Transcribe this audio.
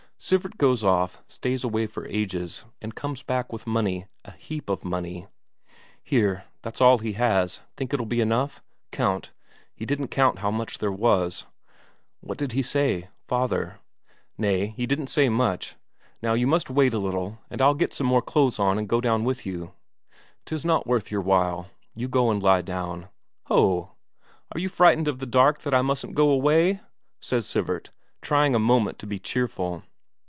Sivert goes off, stays away for ages, and comes back with money, a heap of money. "Here, that's all he has; think it'll be enough? Count he didn't count how much there was." "What did he say father?" "Nay, he didn't say much. Now you must wait a little, and I'll get some more clothes on and go down with you." "'Tis not worth while; you go and lie down." "Ho, are you frightened of the dark that I mustn't go away?" says Sivert, trying a moment to be cheerful.